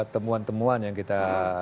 temuan temuan yang kita